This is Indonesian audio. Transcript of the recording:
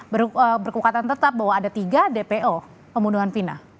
berkekuatan tetap bahwa ada tiga dpo pembunuhan fina